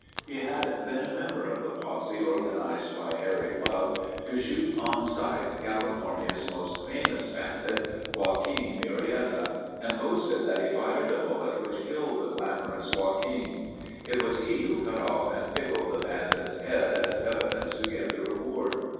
He had been a member of the posse organized by Harry Love to shoot on sight California's most famous bandit—Joaquin Murietta and boasted that he fired the bullet which killed the glamorous Joaquin. It was he who cut off and pickled the bandit's head as evidence to get the reward.